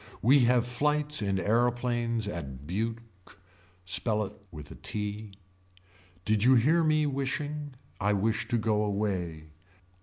We have flights in aeroplanes at Buke. Spell it with a t. Did you hear me wishing. I wish to go away.